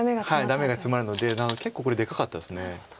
ダメがツマるので結構これでかかったです。